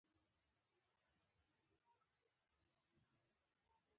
د ازبک سرود په ازبکي ژبه دی.